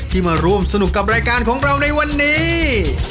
มาร่วมสนุกกับรายการของเราในวันนี้